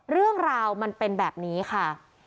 เรื่องราวมันเป็นแบบนี้ค่ะ